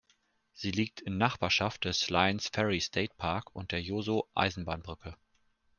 Sie liegt in Nachbarschaft des Lyons Ferry State Park und der Joso-Eisenbahnbrücke.